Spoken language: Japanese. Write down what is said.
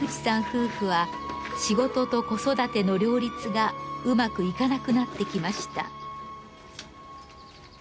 夫婦は仕事と子育ての両立がうまくいかなくなってきました。